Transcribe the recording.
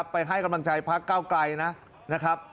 ไปให้กำลังใจพรรคเก้าไกรนะ